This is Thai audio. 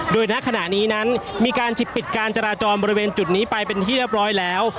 โดยณขณะนี้นั้นมีการปิดการจราจรบริเวณจุดนี้ไปเป็นที่เรียบร้อยแล้ว